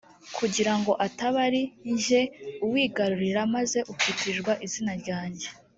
kugira ngo ataba ari jye uwigarurira maze ukitirirwa izina ryanjye